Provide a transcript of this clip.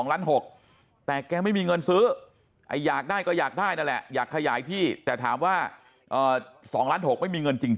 แต่แกไม่มีเงินซื้ออยากได้ก็อยากได้นั่นแหละอยากขยายที่แต่ถามว่า๒๖๐๐ไม่มีเงินจริง